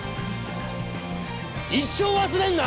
一生忘れんな！